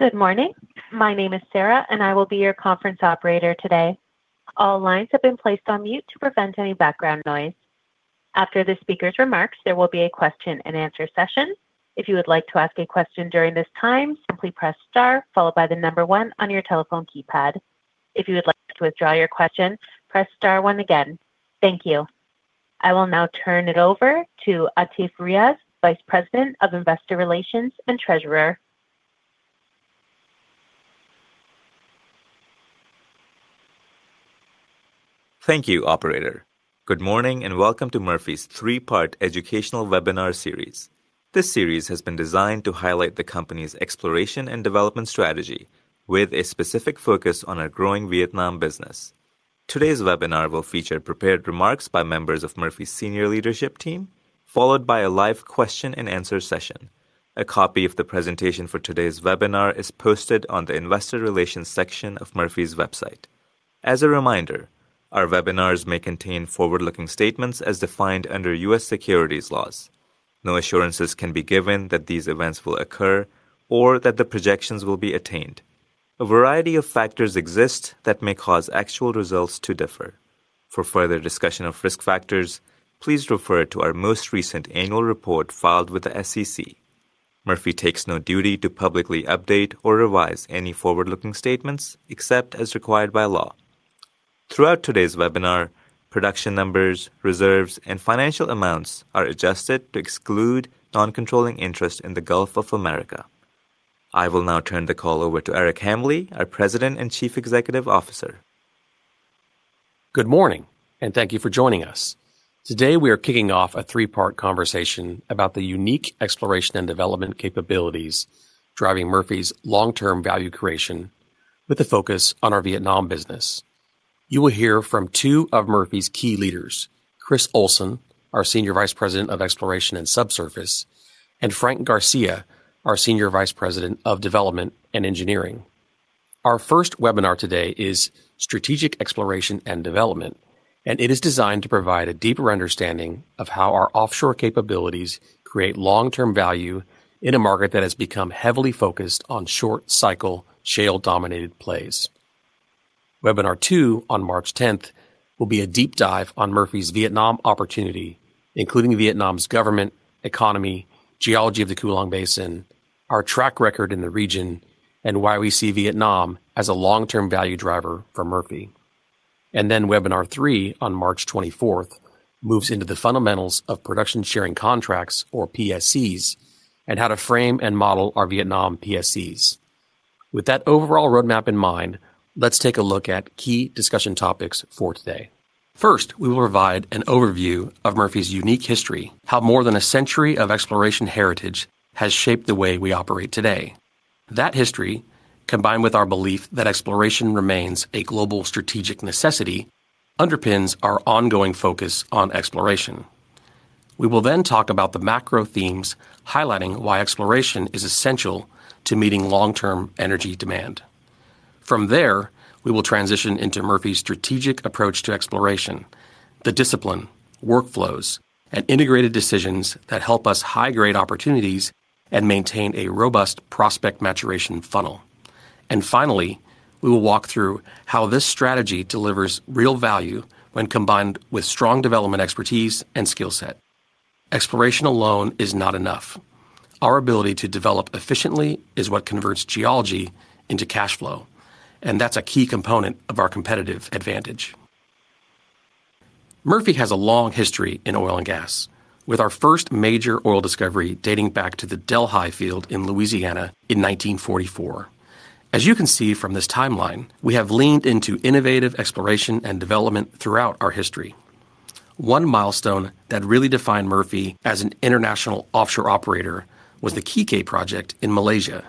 Good morning. My name is Sarah. I will be your conference operator today. All lines have been placed on mute to prevent any background noise. After the speaker's remarks, there will be a question and answer session. If you would like to ask a question during this time, simply press star followed by one on your telephone keypad. If you would like to withdraw your question, press star again. Thank you. I will now turn it over to Atif Riaz, Vice President of Investor Relations and Treasurer. Thank you, operator. Good morning. Welcome to Murphy's 3-Part Educational Webinar Series. This series has been designed to highlight the company's exploration and development strategy with a specific focus on our growing Vietnam business. Today's webinar will feature prepared remarks by members of Murphy's senior leadership team, followed by a live question and answer session. A copy of the presentation for today's webinar is posted on the investor relations section of Murphy's website. As a reminder, our webinars may contain forward-looking statements as defined under U.S. securities laws. No assurances can be given that these events will occur or that the projections will be attained. A variety of factors exist that may cause actual results to differ. For further discussion of risk factors, please refer to our most recent annual report filed with the SEC. Murphy takes no duty to publicly update or revise any forward-looking statements except as required by law. Throughout today's webinar, production numbers, reserves, and financial amounts are adjusted to exclude non-controlling interest in the Gulf of Mexico. I will now turn the call over to Eric M. Hambly, our President and Chief Executive Officer. Good morning, and thank you for joining us. Today, we are kicking off a 3-part conversation about the unique exploration and development capabilities driving Murphy's long-term value creation with a focus on our Vietnam business. You will hear from 2 of Murphy's key leaders, Chris Olson, our Senior Vice President of Exploration and Subsurface, and Frank Garcia, our Senior Vice President of Development and Engineering. Our first webinar today is Strategic Exploration and Development, it is designed to provide a deeper understanding of how our offshore capabilities create long-term value in a market that has become heavily focused on short cycle shale-dominated plays. Webinar 2 on March tenth will be a deep dive on Murphy's Vietnam opportunity, including Vietnam's government, economy, geology of the Cuu Long Basin, our track record in the region, and why we see Vietnam as a long-term value driver for Murphy. Webinar 3 on March 24th moves into the fundamentals of Production Sharing Contracts or PSCs and how to frame and model our Vietnam PSCs. With that overall roadmap in mind, let's take a look at key discussion topics for today. First, we will provide an overview of Murphy's unique history, how more than a century of exploration heritage has shaped the way we operate today. That history, combined with our belief that exploration remains a global strategic necessity, underpins our ongoing focus on exploration. We will then talk about the macro themes highlighting why exploration is essential to meeting long-term energy demand. From there, we will transition into Murphy's strategic approach to exploration, the discipline, workflows, and integrated decisions that help us high-grade opportunities and maintain a robust prospect maturation funnel. Finally, we will walk through how this strategy delivers real value when combined with strong development expertise and skill set. Exploration alone is not enough. Our ability to develop efficiently is what converts geology into cash flow, that's a key component of our competitive advantage. Murphy has a long history in oil and gas with our first major oil discovery dating back to the Delhi Field in Louisiana in 1944. As you can see from this timeline, we have leaned into innovative exploration and development throughout our history. One milestone that really defined Murphy as an international offshore operator was the Kikeh project in Malaysia.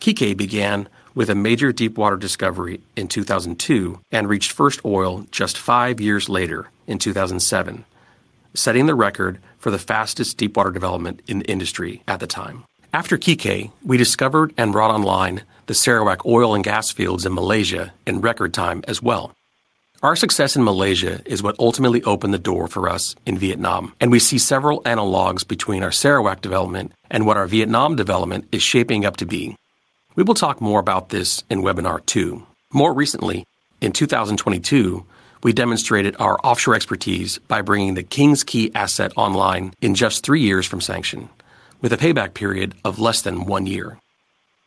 Kikeh began with a major deepwater discovery in 2002 and reached first oil just 5 years later in 2007, setting the record for the fastest deepwater development in the industry at the time. After Kikeh, we discovered and brought online the Sarawak oil and gas fields in Malaysia in record time as well. Our success in Malaysia is what ultimately opened the door for us in Vietnam. We see several analogs between our Sarawak development and what our Vietnam development is shaping up to be. We will talk more about this in webinar 2. More recently, in 2022, we demonstrated our offshore expertise by bringing the King's Quay asset online in just three years from sanction with a payback period of less than one year.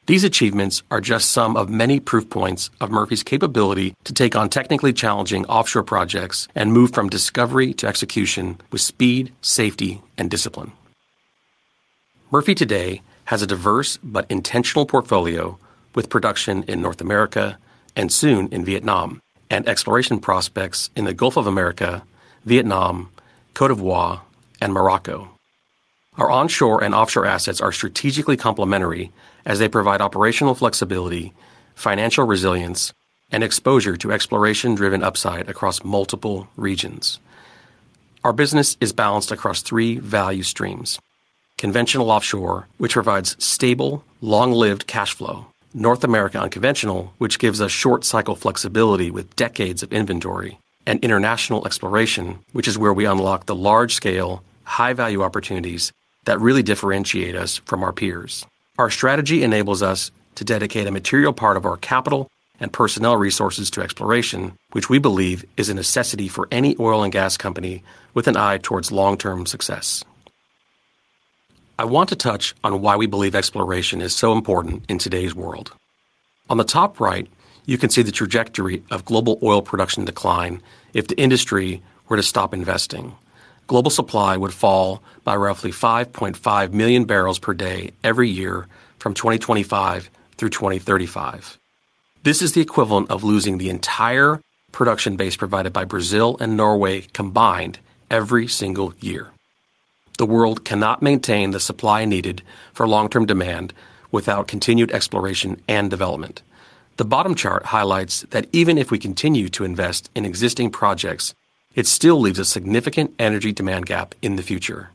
These achievements are just some of many proof points of Murphy's capability to take on technically challenging offshore projects and move from discovery to execution with speed, safety, and discipline. Murphy today has a diverse but intentional portfolio with production in North America and soon in Vietnam and exploration prospects in the Gulf of Mexico, Vietnam, Côte d'Ivoire, and Morocco. Our onshore and offshore assets are strategically complementary as they provide operational flexibility, financial resilience, and exposure to exploration-driven upside across multiple regions. Our business is balanced across three value streams: conventional offshore, which provides stable, long-lived cash flow; North American conventional, which gives us short cycle flexibility with decades of inventory; and international exploration, which is where we unlock the large-scale, longHigh-value opportunities that really differentiate us from our peers. Our strategy enables us to dedicate a material part of our capital and personnel resources to exploration, which we believe is a necessity for any oil and gas company with an eye towards long-term success. I want to touch on why we believe exploration is so important in today's world. On the top right, you can see the trajectory of global oil production decline if the industry were to stop investing. Global supply would fall by roughly 5.5 million barrels per day every year from 2025 through 2035. This is the equivalent of losing the entire production base provided by Brazil and Norway combined every single year. The world cannot maintain the supply needed for long-term demand without continued exploration and development. The bottom chart highlights that even if we continue to invest in existing projects, it still leaves a significant energy demand gap in the future.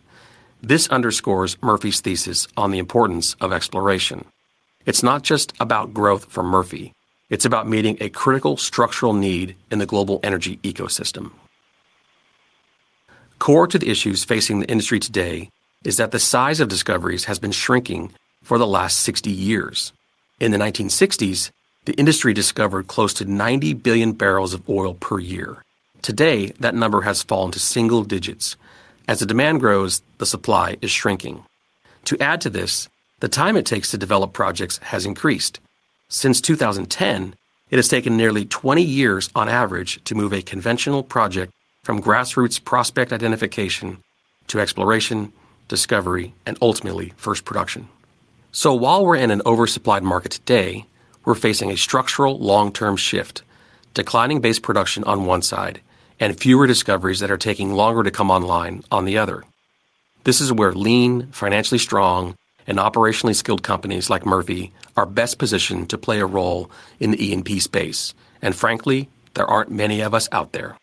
This underscores Murphy's thesis on the importance of exploration. It's not just about growth for Murphy, it's about meeting a critical structural need in the global energy ecosystem. Core to the issues facing the industry today is that the size of discoveries has been shrinking for the last 60 years. In the 1960s, the industry discovered close to 90 billion barrels of oil per year. Today, that number has fallen to single digits. As the demand grows, the supply is shrinking. To add to this, the time it takes to develop projects has increased. Since 2010, it has taken nearly 20 years on average to move a conventional project from grassroots prospect identification to exploration, discovery, and ultimately, first production. While we're in an oversupplied market today, we're facing a structural long-term shift, declining base production on one side and fewer discoveries that are taking longer to come online on the other. This is where lean, financially strong, and operationally skilled companies like Murphy are best positioned to play a role in the E&P space. Frankly, there aren't many of us out there.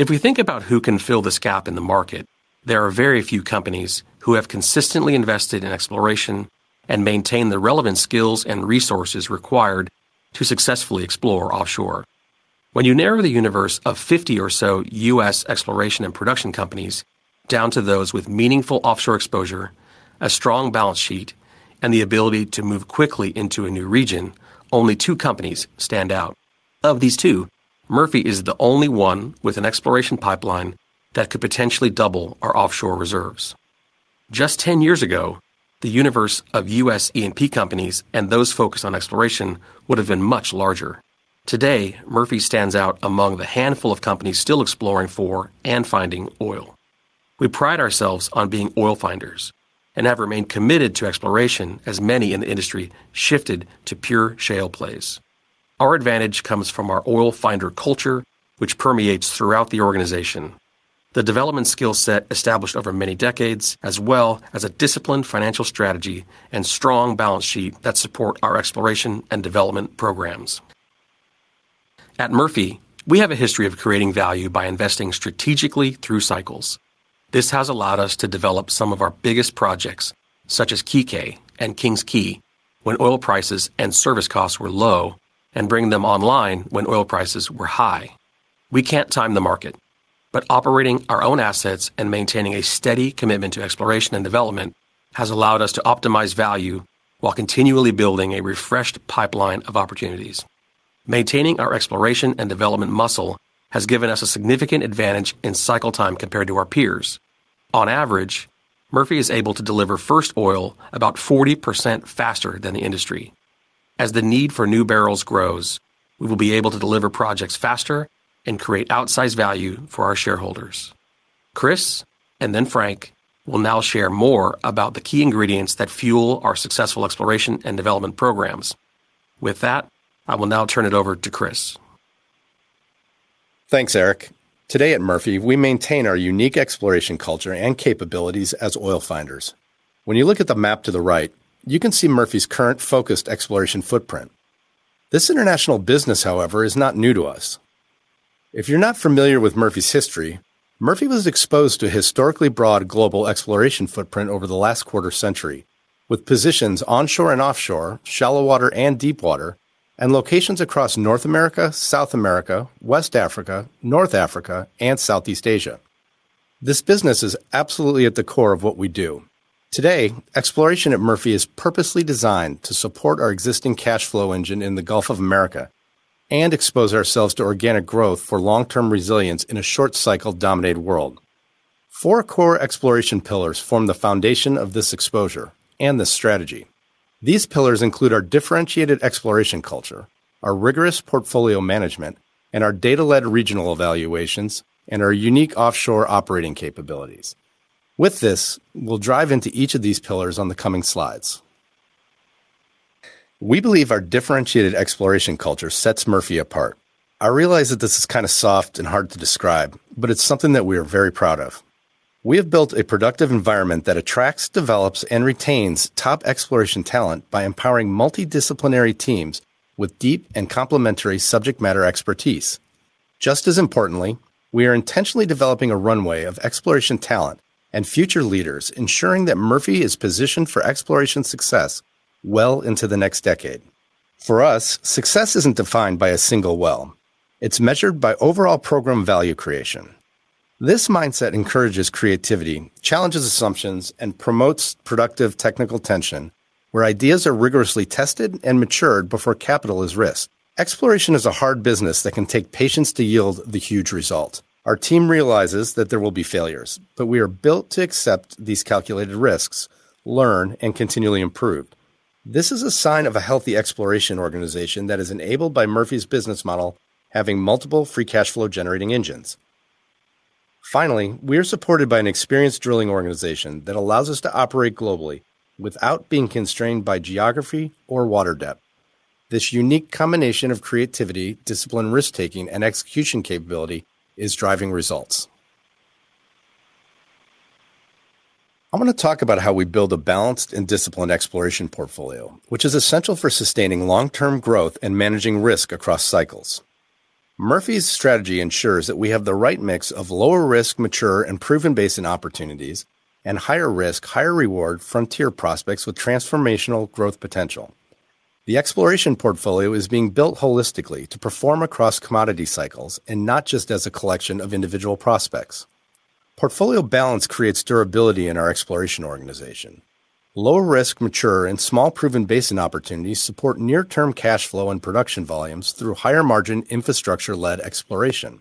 If we think about who can fill this gap in the market, there are very few companies who have consistently invested in exploration and maintain the relevant skills and resources required to successfully explore offshore. When you narrow the universe of 50 or so U.S. exploration and production companies down to those with meaningful offshore exposure, a strong balance sheet, and the ability to move quickly into a new region, only two companies stand out. Of these two, Murphy is the only one with an exploration pipeline that could potentially double our offshore reserves. Just 10 years ago, the universe of U.S. E&P companies and those focused on exploration would have been much larger. Today, Murphy stands out among the handful of companies still exploring for and finding oil. We pride ourselves on being oil finders and have remained committed to exploration as many in the industry shifted to pure shale plays. Our advantage comes from our oil finder culture, which permeates throughout the organization, the development skill set established over many decades, as well as a disciplined financial strategy and strong balance sheet that support our exploration and development programs. At Murphy, we have a history of creating value by investing strategically through cycles. This has allowed us to develop some of our biggest projects, such as Kikeh and King's Quay, when oil prices and service costs were low and bring them online when oil prices were high. We can't time the market, but operating our own assets and maintaining a steady commitment to exploration and development has allowed us to optimize value while continually building a refreshed pipeline of opportunities. Maintaining our exploration and development muscle has given us a significant advantage in cycle time compared to our peers. On average, Murphy is able to deliver first oil about 40% faster than the industry. As the need for new barrels grows, we will be able to deliver projects faster and create outsized value for our shareholders. Chris, and then Frank, will now share more about the key ingredients that fuel our successful exploration and development programs. With that, I will now turn it over to Chris. Thanks, Eric. Today at Murphy, we maintain our unique exploration culture and capabilities as oil finders. When you look at the map to the right, you can see Murphy's current focused exploration footprint. This international business, however, is not new to us. If you're not familiar with Murphy's history, Murphy was exposed to a historically broad global exploration footprint over the last quarter century, with positions onshore and offshore, shallow water and deep water, and locations across North America, South America, West Africa, North Africa, and Southeast Asia. This business is absolutely at the core of what we do. Today, exploration at Murphy is purposely designed to support our existing cash flow engine in the Gulf of Mexico and expose ourselves to organic growth for long-term resilience in a short cycle-dominated world. Four core exploration pillars form the foundation of this exposure and this strategy. These pillars include our differentiated exploration culture, our rigorous portfolio management, and our data-led regional evaluations, and our unique offshore operating capabilities. With this, we'll drive into each of these pillars on the coming slides. We believe our differentiated exploration culture sets Murphy apart. I realize that this is kinda soft and hard to describe, but it's something that we are very proud of. We have built a productive environment that attracts, develops, and retains top exploration talent by empowering multidisciplinary teams with deep and complementary subject matter expertise. Just as importantly, we are intentionally developing a runway of exploration talent and future leaders, ensuring that Murphy is positioned for exploration success well into the next decade. For us, success isn't defined by a single well, it's measured by overall program value creation. This mindset encourages creativity, challenges assumptions, and promotes productive technical tension where ideas are rigorously tested and matured before capital is risked. Exploration is a hard business that can take patience to yield the huge result. Our team realizes that there will be failures, but we are built to accept these calculated risks, learn, and continually improve. This is a sign of a healthy exploration organization that is enabled by Murphy's business model having multiple free cash flow-generating engines. Finally, we are supported by an experienced drilling organization that allows us to operate globally without being constrained by geography or water depth. This unique combination of creativity, discipline, risk-taking, and execution capability is driving results. I'm gonna talk about how we build a balanced and disciplined exploration portfolio, which is essential for sustaining long-term growth and managing risk across cycles. Murphy's strategy ensures that we have the right mix of lower risk, mature, and proven basin opportunities and higher risk, higher reward frontier prospects with transformational growth potential. The exploration portfolio is being built holistically to perform across commodity cycles and not just as a collection of individual prospects. Portfolio balance creates durability in our exploration organization. Low risk, mature, and small proven basin opportunities support near-term cash flow and production volumes through higher-margin, infrastructure-led exploration.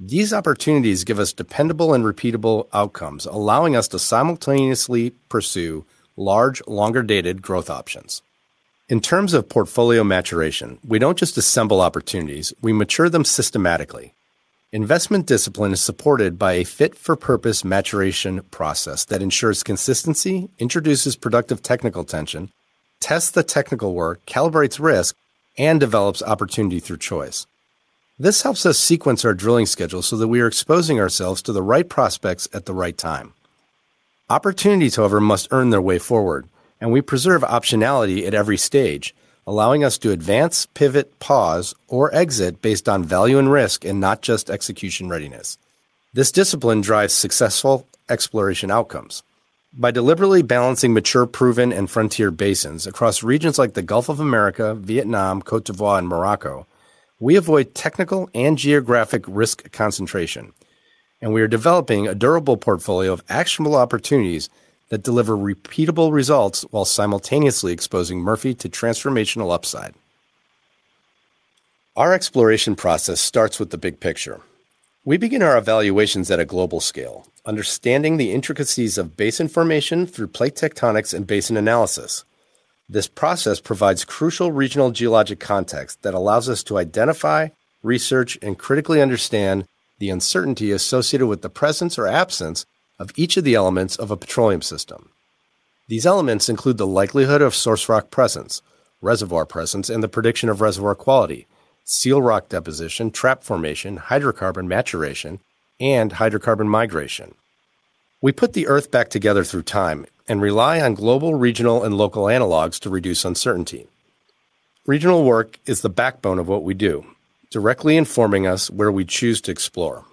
These opportunities give us dependable and repeatable outcomes, allowing us to simultaneously pursue large, longer-dated growth options. In terms of portfolio maturation, we don't just assemble opportunities, we mature them systematically. Investment discipline is supported by a fit-for-purpose maturation process that ensures consistency, introduces productive technical tension, tests the technical work, calibrates risk, and develops opportunity through choice. This helps us sequence our drilling schedule so that we are exposing ourselves to the right prospects at the right time. Opportunities, however, must earn their way forward. We preserve optionality at every stage, allowing us to advance, pivot, pause, or exit based on value and risk and not just execution readiness. This discipline drives successful exploration outcomes. By deliberately balancing mature, proven, and frontier basins across regions like the Gulf of Mexico, Vietnam, Côte d'Ivoire, and Morocco, we avoid technical and geographic risk concentration. We are developing a durable portfolio of actionable opportunities that deliver repeatable results while simultaneously exposing Murphy to transformational upside. Our exploration process starts with the big picture. We begin our evaluations at a global scale, understanding the intricacies of basin formation through plate tectonics and basin analysis. This process provides crucial regional geologic context that allows us to identify, research, and critically understand the uncertainty associated with the presence or absence of each of the elements of a petroleum system. These elements include the likelihood of source rock presence, reservoir presence, and the prediction of reservoir quality, seal rock deposition, trap formation, hydrocarbon maturation, and hydrocarbon migration. We put the Earth back together through time and rely on global, regional, and local analogs to reduce uncertainty. Regional work is the backbone of what we do, directly informing us where we choose to explore.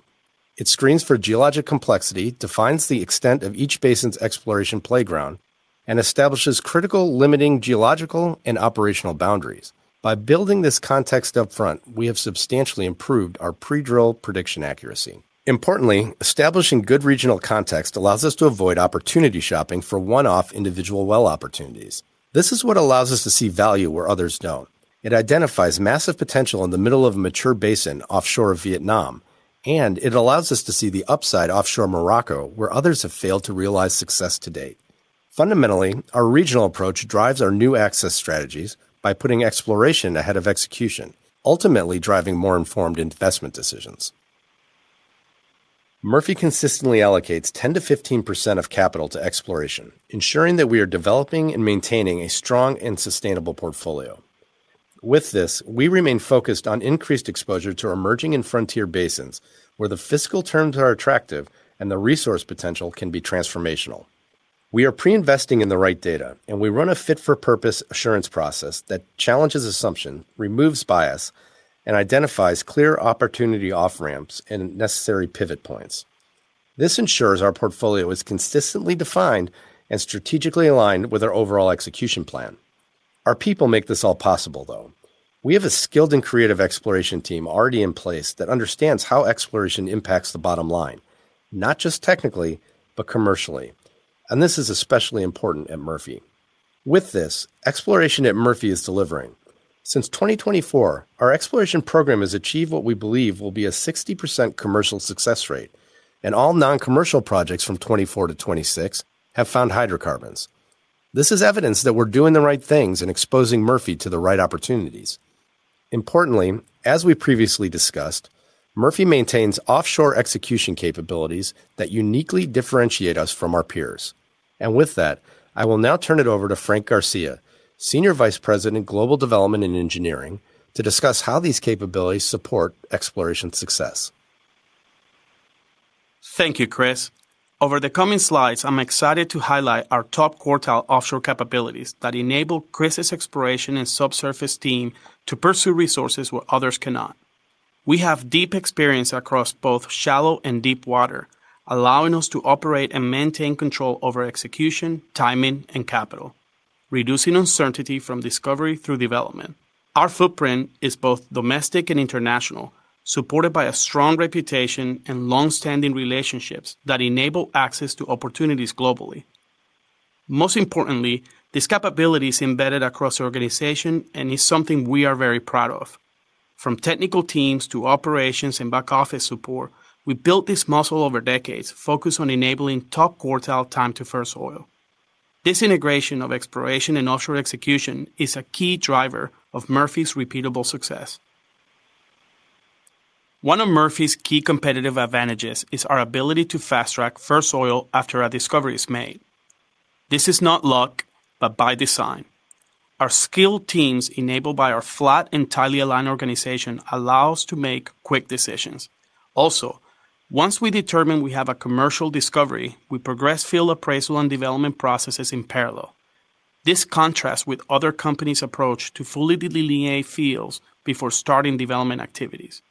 It screens for geologic complexity, defines the extent of each basin's exploration playground, and establishes critical limiting geological and operational boundaries. By building this context up front, we have substantially improved our pre-drill prediction accuracy. Importantly, establishing good regional context allows us to avoid opportunity shopping for one-off individual well opportunities. This is what allows us to see value where others don't. It identifies massive potential in the middle of a mature basin offshore of Vietnam. It allows us to see the upside offshore Morocco, where others have failed to realize success to date. Fundamentally, our regional approach drives our new access strategies by putting exploration ahead of execution, ultimately driving more informed investment decisions. Murphy consistently allocates 10%-15% of capital to exploration, ensuring that we are developing and maintaining a strong and sustainable portfolio. With this, we remain focused on increased exposure to emerging and frontier basins where the fiscal terms are attractive and the resource potential can be transformational. We are pre-investing in the right data. We run a fit-for-purpose assurance process that challenges assumption, removes bias, and identifies clear opportunity off-ramps and necessary pivot points. This ensures our portfolio is consistently defined and strategically aligned with our overall execution plan. Our people make this all possible, though. We have a skilled and creative exploration team already in place that understands how exploration impacts the bottom line, not just technically, but commercially. This is especially important at Murphy. With this, exploration at Murphy is delivering. Since 2024, our exploration program has achieved what we believe will be a 60% commercial success rate. All non-commercial projects from 2024 to 2026 have found hydrocarbons. This is evidence that we're doing the right things and exposing Murphy to the right opportunities. Importantly, as we previously discussed, Murphy maintains offshore execution capabilities that uniquely differentiate us from our peers. With that, I will now turn it over to Frank Garcia, Senior Vice President, Global Development and Engineering, to discuss how these capabilities support exploration success. Thank you, Chris. Over the coming slides, I'm excited to highlight our top-quartile offshore capabilities that enable Chris's exploration and subsurface team to pursue resources where others cannot. We have deep experience across both shallow and deep water, allowing us to operate and maintain control over execution, timing, and capital, reducing uncertainty from discovery through development. Our footprint is both domestic and international, supported by a strong reputation and long-standing relationships that enable access to opportunities globally. Most importantly, this capability is embedded across the organization and is something we are very proud of. From technical teams to operations and back office support, we built this muscle over decades focused on enabling top quartile time to first oil. This integration of exploration and offshore execution is a key driver of Murphy's repeatable success. One of Murphy's key competitive advantages is our ability to fast-track first oil after a discovery is made. This is not luck, but by design. Our skilled teams, enabled by our flat and tightly aligned organization, allow us to make quick decisions. Once we determine we have a commercial discovery, we progress field appraisal and development processes in parallel. This contrasts with other companies' approach to fully delineate fields before starting development activities.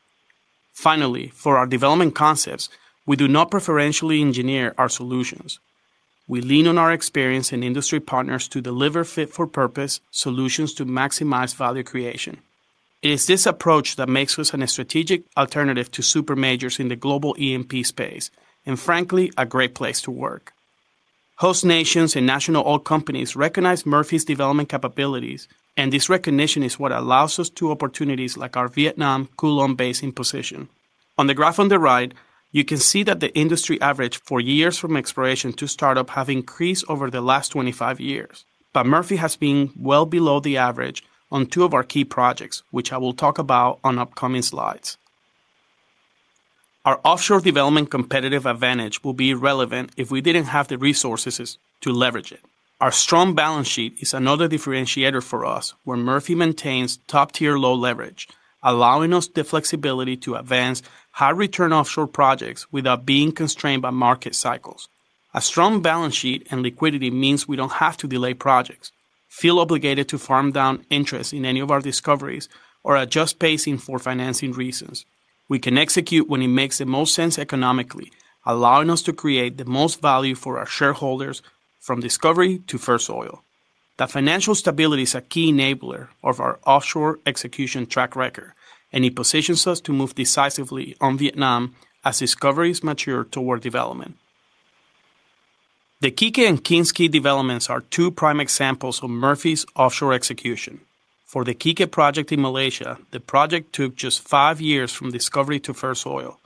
For our development concepts, we do not preferentially engineer our solutions. We lean on our experience and industry partners to deliver fit-for-purpose solutions to maximize value creation. It is this approach that makes us an strategic alternative to super majors in the global E&P space, and frankly, a great place to work. Host nations and national oil companies recognize Murphy's development capabilities, and this recognition is what allows us to opportunities like our Vietnam Cuu Long Basin position. On the graph on the right, you can see that the industry average for years from exploration to startup have increased over the last 25 years. Murphy has been well below the average on two of our key projects, which I will talk about on upcoming slides. Our offshore development competitive advantage will be relevant if we didn't have the resources to leverage it. Our strong balance sheet is another differentiator for us, where Murphy maintains top-tier low leverage, allowing us the flexibility to advance high-return offshore projects without being constrained by market cycles. A strong balance sheet and liquidity means we don't have to delay projects, feel obligated to farm down interest in any of our discoveries, or adjust pacing for financing reasons. We can execute when it makes the most sense economically, allowing us to create the most value for our shareholders from discovery to first oil. It positions us to move decisively on Vietnam as discoveries mature toward development. The Kikeh and King's Quay developments are two prime examples of Murphy's offshore execution. For the Kikeh project in Malaysia, the project took just five years from discovery to first oil,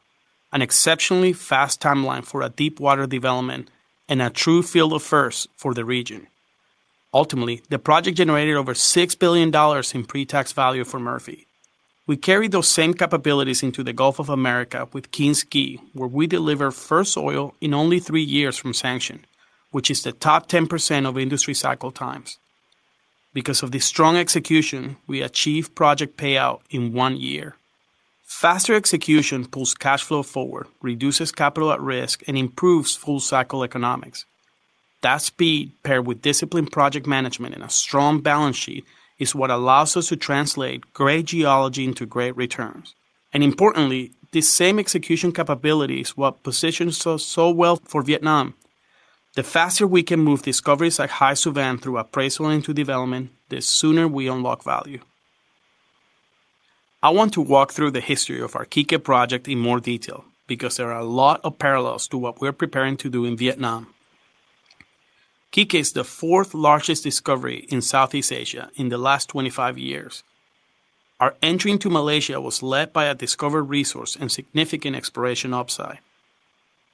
an exceptionally fast timeline for a deepwater development and a true field of firsts for the region. Ultimately, the project generated over $6 billion in pre-tax value for Murphy. We carry those same capabilities into the Gulf of Mexico with King's Quay, where we deliver first oil in only three years from sanction, which is the top 10% of industry cycle times. Because of the strong execution, we achieve project payout in one year. Faster execution pulls cash flow forward, reduces capital at risk, and improves full cycle economics. That speed, paired with disciplined project management and a strong balance sheet, is what allows us to translate great geology into great returns. Importantly, these same execution capabilities what positions us so well for Vietnam. The faster we can move discoveries like Hải Sư Vàng through appraisal into development, the sooner we unlock value. I want to walk through the history of our Kikeh project in more detail because there are a lot of parallels to what we're preparing to do in Vietnam. Kikeh is the fourth-largest discovery in Southeast Asia in the last 25 years. Our entry into Malaysia was led by a discovered resource and significant exploration upside.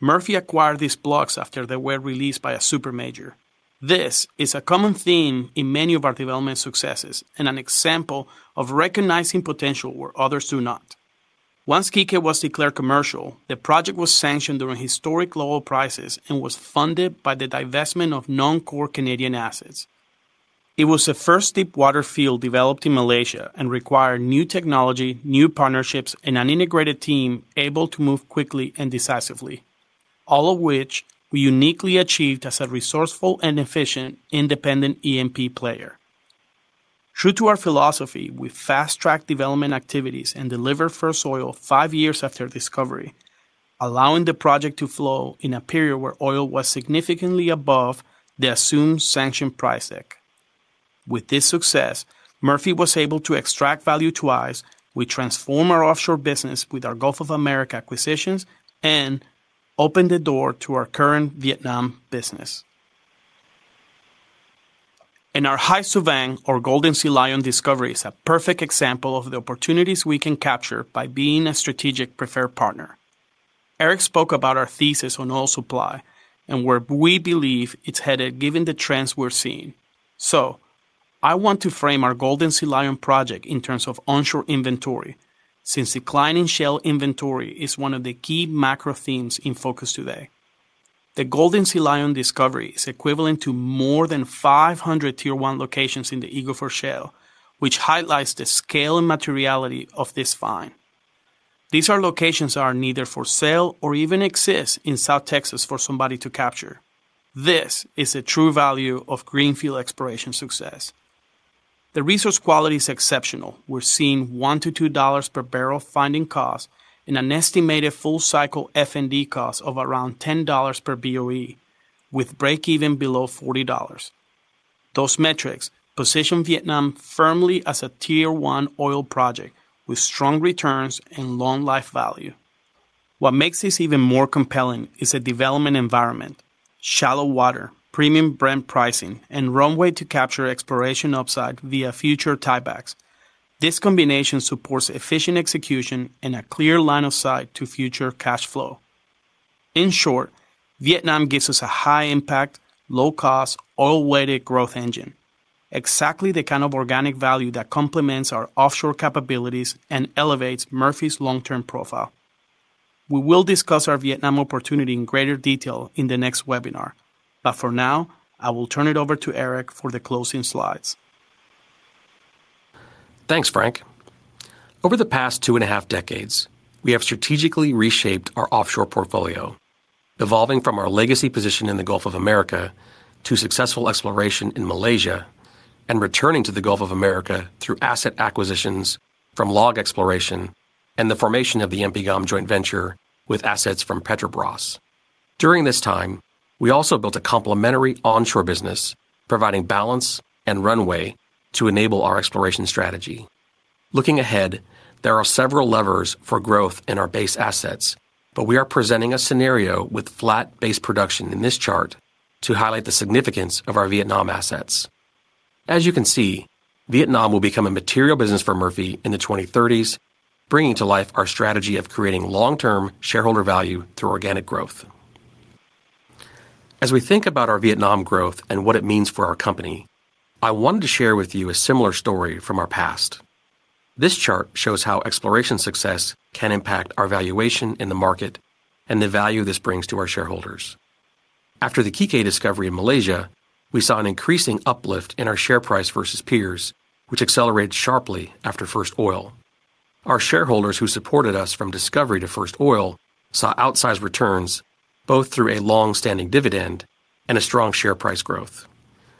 Murphy acquired these blocks after they were released by a super major. This is a common theme in many of our development successes and an example of recognizing potential where others do not. Once Kikeh was declared commercial, the project was sanctioned during historic low oil prices and was funded by the divestment of non-core Canadian assets. It was the first deepwater field developed in Malaysia and required new technology, new partnerships, and an integrated team able to move quickly and decisively, all of which we uniquely achieved as a resourceful and efficient independent E&P player. True to our philosophy, we fast-tracked development activities and delivered first oil 5 years after discovery, allowing the project to flow in a period where oil was significantly above the assumed sanction price deck. With this success, Murphy was able to extract value twice. We transformed our offshore business with our Gulf of Mexico acquisitions and opened the door to our current Vietnam business. In Hải Sư Vàng or Golden Sea Lion discovery is a perfect example of the opportunities we can capture by being a strategic preferred partner. Eric spoke about our thesis on oil supply and where we believe it's headed given the trends we're seeing. I want to frame our Golden Sea Lion project in terms of onshore inventory since declining shale inventory is one of the key macro themes in focus today. The Golden Sea Lion discovery is equivalent to more than 500 Tier 1 locations in the Eagle Ford Shale, which highlights the scale and materiality of this find. These are locations that are neither for sale or even exist in South Texas for somebody to capture. This is a true value of greenfield exploration success. The resource quality is exceptional. We're seeing $1-$2 per barrel finding cost in an estimated full cycle F&D cost of around $10 per BOE, with break-even below $40. Those metrics position Vietnam firmly as a Tier 1 oil project with strong returns and long life value. What makes this even more compelling is a development environment, shallow water, premium Brent pricing, and runway to capture exploration upside via future tiebacks. This combination supports efficient execution and a clear line of sight to future cash flow. In short, Vietnam gives us a high impact, low cost, oil-weighted growth engine, exactly the kind of organic value that complements our offshore capabilities and elevates Murphy's long-term profile. We will discuss our Vietnam opportunity in greater detail in the next webinar. For now, I will turn it over to Eric for the closing slides. Thanks, Frank. Over the past two and a half decades, we have strategically reshaped our offshore portfolio, evolving from our legacy position in the Gulf of Mexico to successful exploration in Malaysia and returning to the Gulf of Mexico through asset acquisitions from LLOG Exploration and the formation of the MPGOM joint venture with assets from Petrobras. During this time, we also built a complementary onshore business providing balance and runway to enable our exploration strategy. Looking ahead, there are several levers for growth in our base assets, but we are presenting a scenario with flat base production in this chart to highlight the significance of our Vietnam assets. As you can see, Vietnam will become a material business for Murphy in the 2030s, bringing to life our strategy of creating long-term shareholder value through organic growth. As we think about our Vietnam growth and what it means for our company, I wanted to share with you a similar story from our past. This chart shows how exploration success can impact our valuation in the market and the value this brings to our shareholders. After the Kikeh discovery in Malaysia, we saw an increasing uplift in our share price versus peers, which accelerated sharply after first oil. Our shareholders who supported us from discovery to first oil saw outsized returns both through a long-standing dividend and a strong share price growth.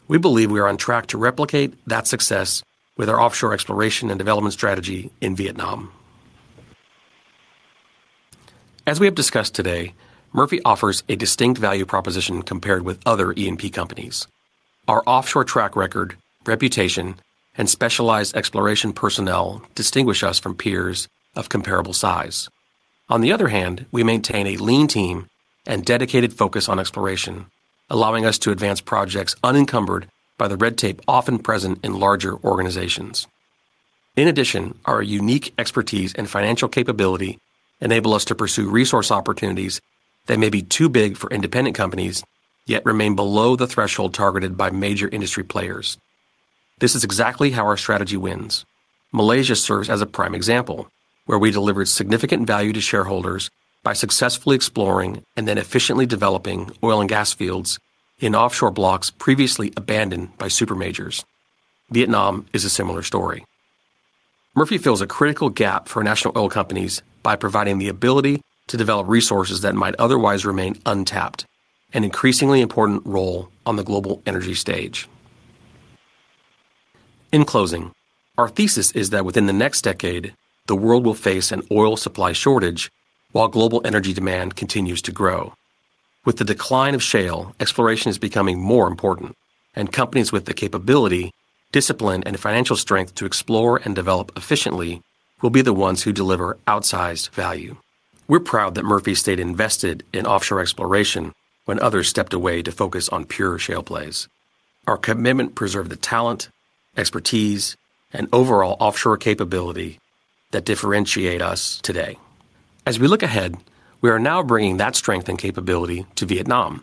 We believe we are on track to replicate that success with our offshore exploration and development strategy in Vietnam. As we have discussed today, Murphy offers a distinct value proposition compared with other E&P companies. Our offshore track record, reputation, and specialized exploration personnel distinguish us from peers of comparable size. On the other hand, we maintain a lean team and dedicated focus on exploration, allowing us to advance projects unencumbered by the red tape often present in larger organizations. In addition, our unique expertise and financial capability enable us to pursue resource opportunities that may be too big for independent companies, yet remain below the threshold targeted by major industry players. This is exactly how our strategy wins. Malaysia serves as a prime example, where we delivered significant value to shareholders by successfully exploring and then efficiently developing oil and gas fields in offshore blocks previously abandoned by supermajors. Vietnam is a similar story. Murphy fills a critical gap for national oil companies by providing the ability to develop resources that might otherwise remain untapped, an increasingly important role on the global energy stage. In closing, our thesis is that within the next decade, the world will face an oil supply shortage while global energy demand continues to grow. With the decline of shale, exploration is becoming more important, and companies with the capability, discipline, and financial strength to explore and develop efficiently will be the ones who deliver outsized value. We're proud that Murphy stayed invested in offshore exploration when others stepped away to focus on pure shale plays. Our commitment preserved the talent, expertise, and overall offshore capability that differentiate us today. As we look ahead, we are now bringing that strength and capability to Vietnam.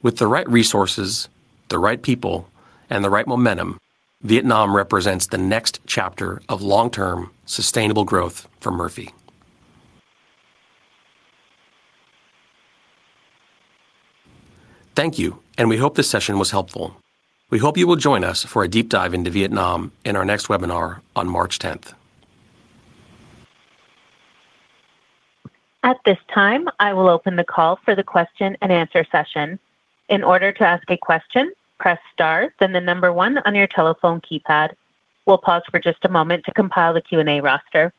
With the right resources, the right people, and the right momentum, Vietnam represents the next chapter of long-term sustainable growth for Murphy. Thank you, and we hope this session was helpful. We hope you will join us for a deep dive into Vietnam in our next webinar on March 10th. At this time, I will open the call for the question-and-answer session. In order to ask a question, press star, then 1 on your telephone keypad. We'll pause for just a moment to compile the Q&A roster.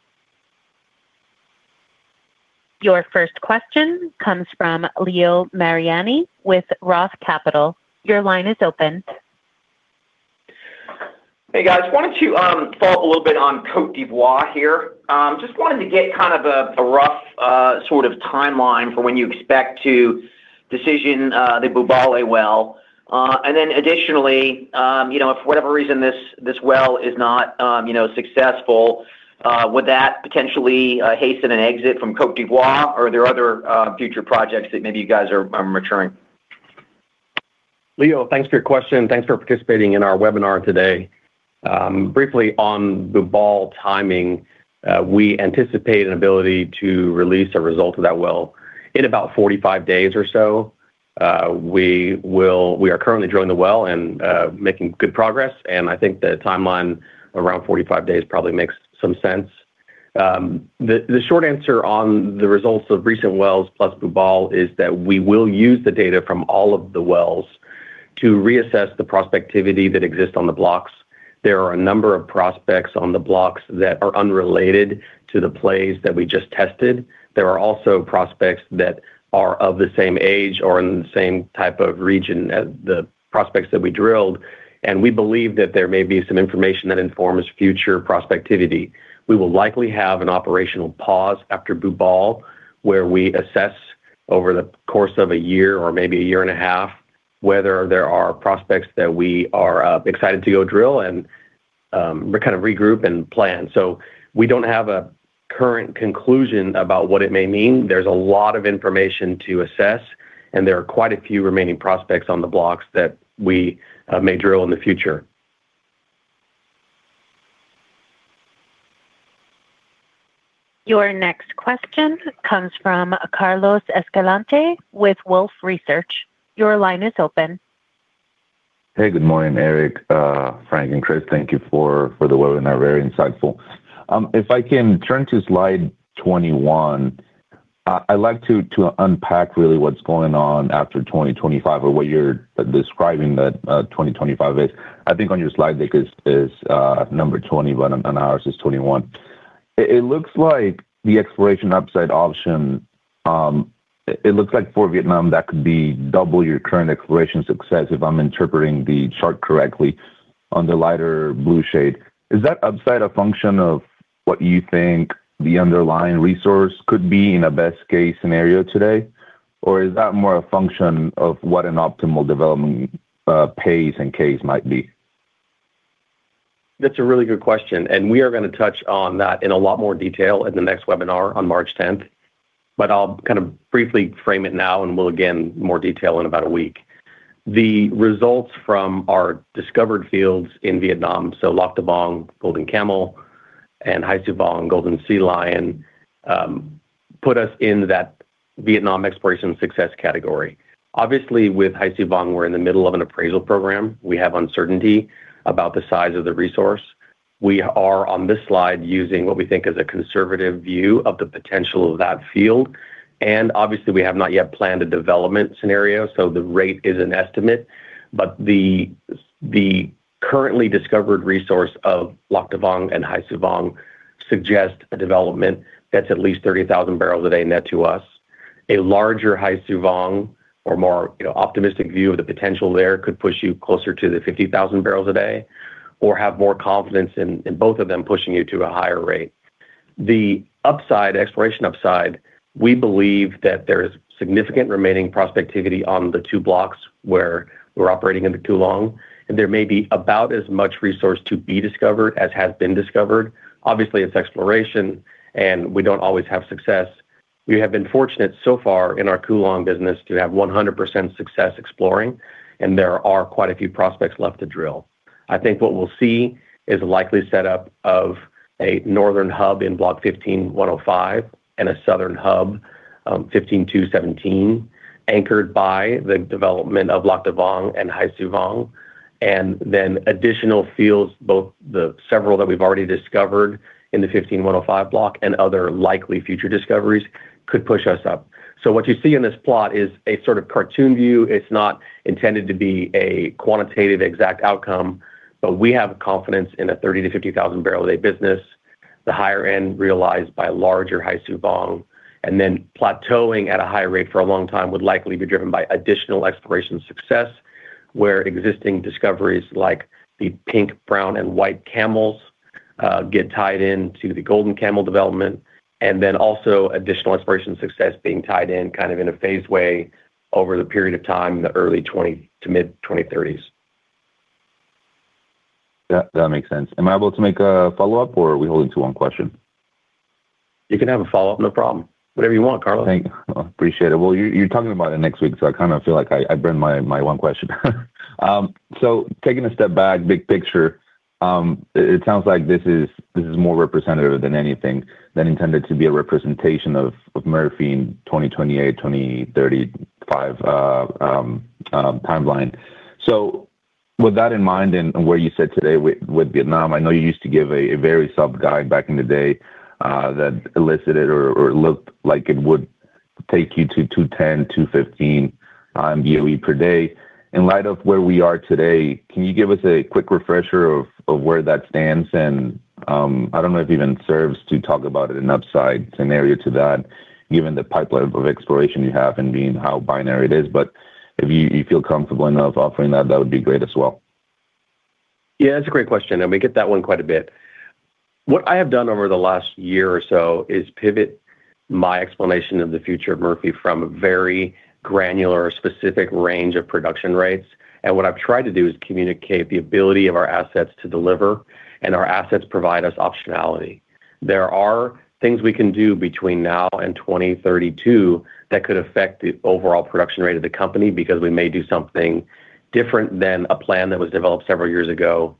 Your first question comes from Leo Mariani with Roth Capital. Your line is open. Hey, guys. Why don't you follow up a little bit on Côte d'Ivoire here? Just wanted to get kind of a rough sort of timeline for when you expect to decision the Bubale well. Additionally, you know, if for whatever reason this well is not, you know, successful, would that potentially hasten an exit from Côte d'Ivoire or are there other future projects that maybe you guys are maturing? Leo, thanks for your question. Thanks for participating in our webinar today. Briefly on the Bubale timing, we anticipate an ability to release a result of that well in about 45 days or so. We are currently drilling the well and making good progress, and I think the timeline around 45 days probably makes some sense. The short answer on the results of recent wells plus Bubale is that we will use the data from all of the wells to reassess the prospectivity that exists on the blocks. There are a number of prospects on the blocks that are unrelated to the plays that we just tested. There are also prospects that are of the same age or in the same type of region as the prospects that we drilled, and we believe that there may be some information that informs future prospectivity. We will likely have an operational pause after Bubale, where we assess over the course of a year or maybe a year and a half, whether there are prospects that we are excited to go drill and kind of regroup and plan. We don't have a current conclusion about what it may mean. There's a lot of information to assess, and there are quite a few remaining prospects on the blocks that we may drill in the future. Your next question comes from Carlos Escalante with Wolfe Research. Your line is open. Good morning, Eric, Frank, and Chris. Thank you for the webinar. Very insightful. If I can turn to slide 21, I'd like to unpack really what's going on after 2025 or what you're describing that 2025 is. I think on your slide deck is number 20, but on ours is 21. It looks like the exploration upside option, it looks like for Vietnam, that could be double your current exploration success if I'm interpreting the chart correctly on the lighter blue shade. Is that upside a function of what you think the underlying resource could be in a best-case scenario today? Or is that more a function of what an optimal development pace and case might be? That's a really good question. We are going to touch on that in a lot more detail in the next webinar on March 10th. I'll kind of briefly frame it now, and we'll again more detail in about a week. The results from our discovered fields in Vietnam, so Lạc Đà Vàng, Golden Camel, and Hải Sư Vàng, Golden Sea Lion, put us in that Vietnam exploration success category. Obviously, with Hải Sư Vàng, we're in the middle of an appraisal program. We have uncertainty about the size of the resource. We are on this slide using what we think is a conservative view of the potential of that field. Obviously we have not yet planned a development scenario, so the rate is an estimate. The currently discovered resource of Lạc Đà Vàng and Hải Sư Vàng suggest a development that's at least 30,000 barrels a day net to us. A larger Hải Sư Vàng or more, you know, optimistic view of the potential there could push you closer to 50,000 barrels a day or have more confidence in both of them pushing you to a higher rate. The upside, exploration upside, we believe that there is significant remaining prospectivity on the two blocks where we're operating in the Cuu Long, and there may be about as much resource to be discovered as has been discovered. Obviously, it's exploration, and we don't always have success. We have been fortunate so far in our Cuu Long business to have 100% success exploring, and there are quite a few prospects left to drill. I think what we'll see is a likely set up of a northern hub in Block 15105 and a southern hub, 15217, anchored by the development of Lạc Đà Vàng and Hải Sư Vàng. Additional fields, both the several that we've already discovered in the 15105 block and other likely future discoveries could push us up. What you see in this plot is a sort of cartoon view. It's not intended to be a quantitative exact outcome, but we have confidence in a 30,000-50,000 barrel a day business, the higher end realized by larger Hải Sư Vàng. Plateauing at a high rate for a long time would likely be driven by additional exploration success, where existing discoveries like the Pink, Brown, and White Camels get tied in to the Golden Camel Development, and then also additional exploration success being tied in kind of in a phased way over the period of time in the early 2020s to mid-2030s. Yeah, that makes sense. Am I able to make a follow-up or are we holding to one question? You can have a follow-up. No problem. Whatever you want, Carlos. Thank you. Appreciate it. Well, you're talking about it next week, so I kinda feel like I burned my 1 question. Taking a step back, big picture, it sounds like this is more representative than anything than intended to be a representation of Murphy in 2028, 2035 timeline. With that in mind and where you sit today with Vietnam, I know you used to give a very sub guide back in the day that elicited or looked like it would take you to 210, 215 BOE per day. In light of where we are today, can you give us a quick refresher of where that stands? I don't know if it even serves to talk about an upside scenario to that given the pipeline of exploration you have and being how binary it is. If you feel comfortable enough offering that would be great as well. Yeah, that's a great question, and we get that one quite a bit. What I have done over the last year or so is pivot my explanation of the future of Murphy from a very granular specific range of production rates. What I've tried to do is communicate the ability of our assets to deliver, and our assets provide us optionality. There are things we can do between now and 2032 that could affect the overall production rate of the company because we may do something different than a plan that was developed several years ago.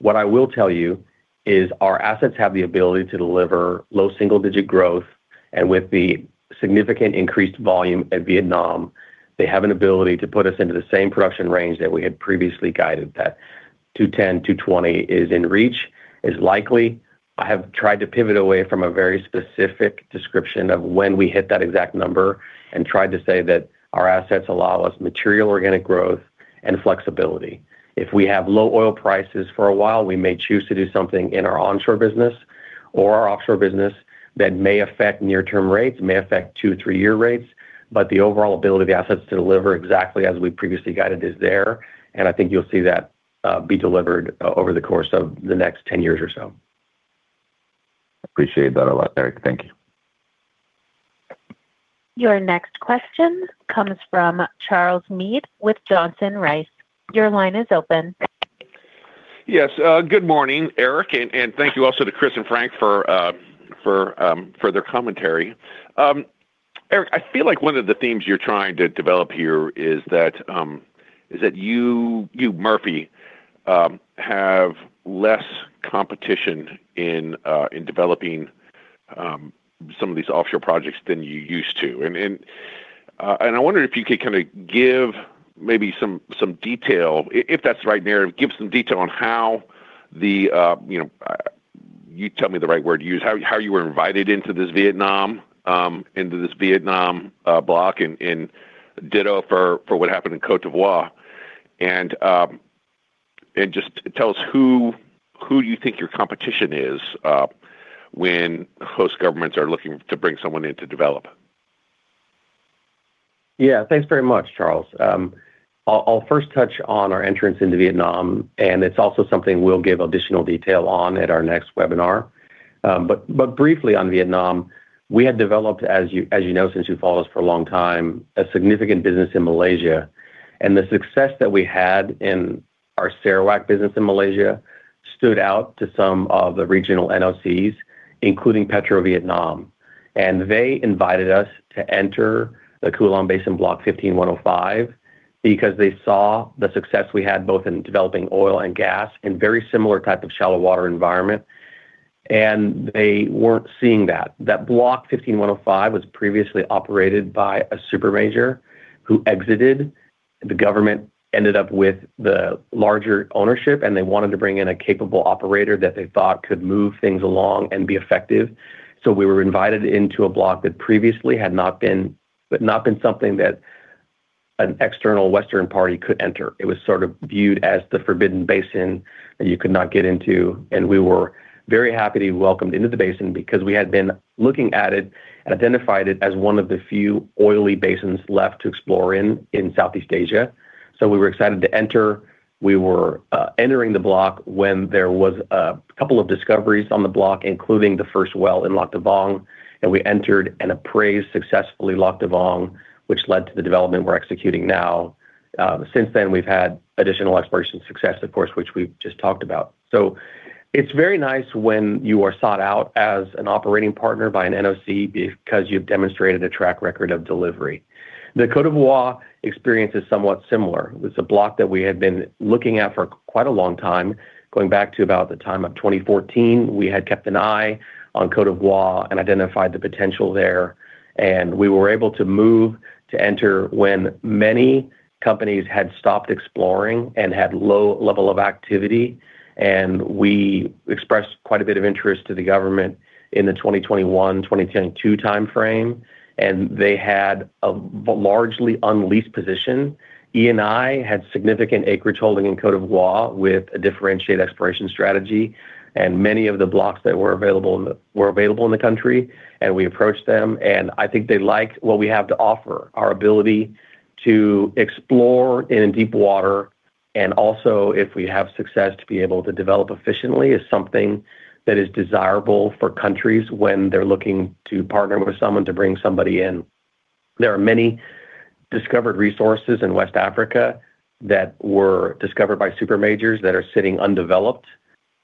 What I will tell you is our assets have the ability to deliver low single-digit growth. With the significant increased volume at Vietnam, they have an ability to put us into the same production range that we had previously guided that 210-220 is in reach, is likely. I have tried to pivot away from a very specific description of when we hit that exact number and tried to say that our assets allow us material organic growth and flexibility. If we have low oil prices for a while, we may choose to do something in our onshore business or our offshore business that may affect near term rates, may affect 2, 3-year rates. The overall ability of the assets to deliver exactly as we previously guided is there, and I think you'll see that be delivered over the course of the next 10 years or so. Appreciate that a lot, Eric. Thank you. Your next question comes from Charles Meade with Johnson Rice. Your line is open. Yes. Good morning, Eric, and thank you also to Chris and Frank for their commentary. Eric, I feel like one of the themes you're trying to develop here is that Murphy have less competition in developing some of these offshore projects than you used to. I wonder if you could give maybe some detail if that's the right narrative, give some detail on how you tell me the right word to use, how you were invited into this Vietnam block and ditto for what happened in Côte d'Ivoire. Just tell us who you think your competition is when host governments are looking to bring someone in to develop. Yeah. Thanks very much, Charles. I'll first touch on our entrance into Vietnam, and it's also something we'll give additional detail on at our next webinar. But briefly on Vietnam, we had developed, as you know, since you've followed us for a long time, a significant business in Malaysia. The success that we had in our Sarawak business in Malaysia stood out to some of the regional NOCs, including PetroVietnam. They invited us to enter the Cuu Long Basin Block 15105 because they saw the success we had both in developing oil and gas in very similar type of shallow water environment, and they weren't seeing that. That Block 15105 was previously operated by a super major who exited. The government ended up with the larger ownership, and they wanted to bring in a capable operator that they thought could move things along and be effective. We were invited into a block that previously had not been something that an external Western party could enter. It was sort of viewed as the forbidden basin that you could not get into, and we were very happy to be welcomed into the basin because we had been looking at it and identified it as one of the few oily basins left to explore in Southeast Asia. We were excited to enter. We were entering the block when there was a couple of discoveries on the block, including the first well in Loc Duong, and we entered and appraised successfully Loc Duong, which led to the development we're executing now. Since then we've had additional exploration success, of course, which we've just talked about. It's very nice when you are sought out as an operating partner by an NOC because you've demonstrated a track record of delivery. The Côte d'Ivoire experience is somewhat similar. It was a block that we had been looking at for quite a long time, going back to about the time of 2014. We had kept an eye on Côte d'Ivoire and identified the potential there. We were able to move to enter when many companies had stopped exploring and had low level of activity. We expressed quite a bit of interest to the government in the 2021, 2022 time frame, and they had a largely unleased position. Eni had significant acreage holding in Côte d'Ivoire with a differentiated exploration strategy. Many of the blocks that were available in the country, and we approached them, and I think they like what we have to offer. Our ability to explore in deep water and also if we have success to be able to develop efficiently is something that is desirable for countries when they're looking to partner with someone to bring somebody in. There are many discovered resources in West Africa that were discovered by super majors that are sitting undeveloped,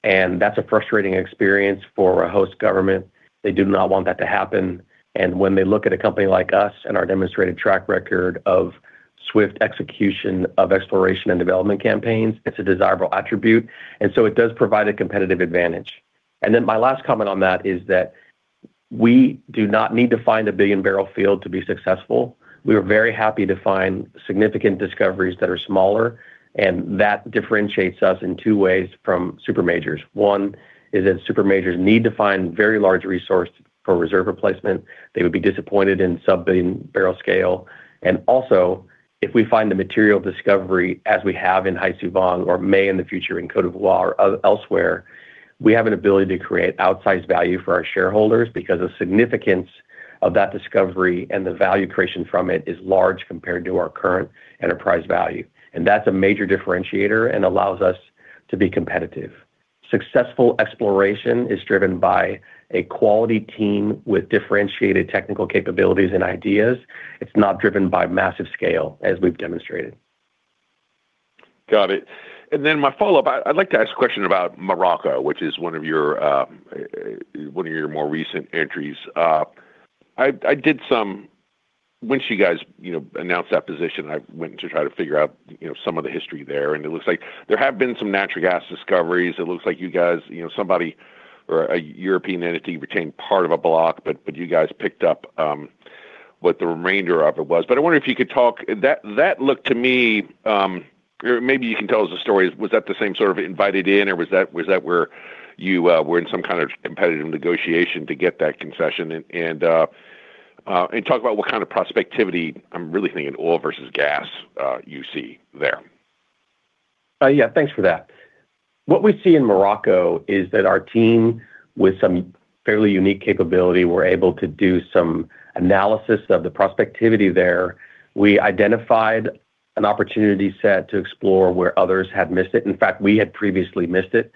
and that's a frustrating experience for a host government. They do not want that to happen. When they look at a company like us and our demonstrated track record of swift execution of exploration and development campaigns, it's a desirable attribute. It does provide a competitive advantage. My last comment on that is that we do not need to find a 1 billion barrel field to be successful. We are very happy to find significant discoveries that are smaller, and that differentiates us in 2 ways from supermajors. One is that supermajors need to find very large resource for reserve replacement. They would be disappointed in sub-1 billion barrel scale. Also, if we find the material discovery as we have in Hải Sư Vàng or may in the future in Côte d'Ivoire or elsewhere, we have an ability to create outsized value for our shareholders because the significance of that discovery and the value creation from it is large compared to our current enterprise value. That's a major differentiator and allows us to be competitive. Successful exploration is driven by a quality team with differentiated technical capabilities and ideas. It's not driven by massive scale, as we've demonstrated. Got it. Then my follow-up, I'd like to ask a question about Morocco, which is one of your, one of your more recent entries. I did some. Once you guys, you know, announced that position, I went to try to figure out, you know, some of the history there, and it looks like there have been some natural gas discoveries. It looks like you guys, you know, somebody or a European entity retained part of a block, you guys picked up what the remainder of it was. I wonder if you could talk. That looked to me, or maybe you can tell us a story. Was that the same sort of invited in or was that where you were in some kind of competitive negotiation to get that concession? Talk about what kind of prospectivity, I'm really thinking oil versus gas, you see there. Yeah. Thanks for that. What we see in Morocco is that our team with some fairly unique capability were able to do some analysis of the prospectivity there. We identified an opportunity set to explore where others had missed it. In fact, we had previously missed it.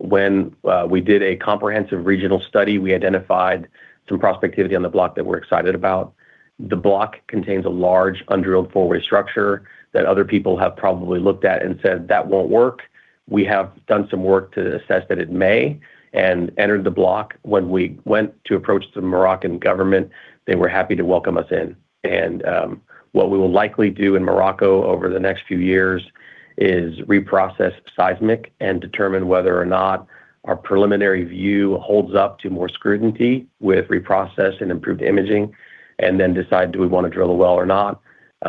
When we did a comprehensive regional study, we identified some prospectivity on the block that we're excited about. The block contains a large undrilled four-way structure that other people have probably looked at and said, "That won't work." We have done some work to assess that it may and entered the block. When we went to approach the Moroccan government, they were happy to welcome us in. What we will likely do in Morocco over the next few years is reprocess seismic and determine whether or not our preliminary view holds up to more scrutiny with reprocess and improved imaging, then decide, do we wanna drill a well or not?